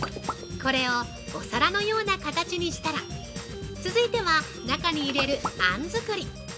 ◆これをお皿のような形にしたら続いては中に入れる、あん作り。